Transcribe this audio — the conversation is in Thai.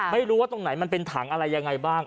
ไม่รู้ว่าตรงไหนมันเป็นถังอะไรยังไงบ้าง